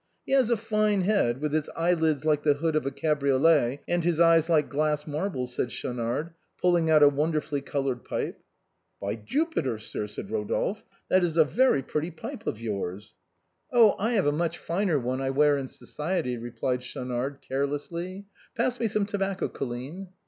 " He has a fine head, with his eyelids like the hood of a cabriolet, and his eyes like glass marbles," said Schau nard, pulling out a wonderfully colored pipe. " By Jupiter, sir," said Rodolphe, " that is a very pretty pipe of yours." "Oh ! I have a much finer one I wear in society," re plied Schaunard, carelessly. " Pass me some tobacco. Colline."